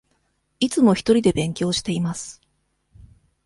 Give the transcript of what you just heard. いつもひとりで勉強しています。